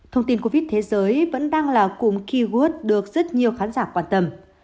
thông tin covid thế giới vẫn đang là cùng kiwood được rất nhiều khán giả quan tâm